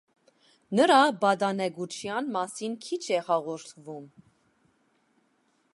Նրա պատանեկության մասին քիչ է հաղորդվում։